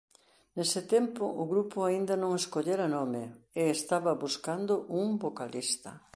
Nese tempo o grupo aínda non escollera nome e estaba buscando un vocalista.